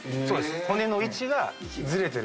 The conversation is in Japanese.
骨の位置がズレてる。